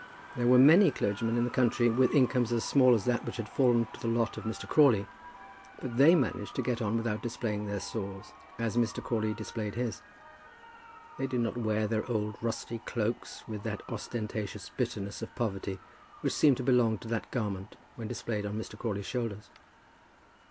There were many clergymen in the country with incomes as small as that which had fallen to the lot of Mr. Crawley, but they managed to get on without displaying their sores as Mr. Crawley displayed his. They did not wear their old rusty cloaks with all that ostentatious bitterness of poverty which seemed to belong to that garment when displayed on Mr. Crawley's shoulders.